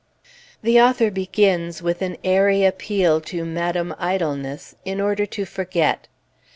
The author begins with an airy appeal to Madame Idleness in order to forget.